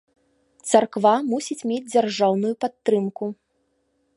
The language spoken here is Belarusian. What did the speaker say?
Царква мусіць мець дзяржаўную падтрымку.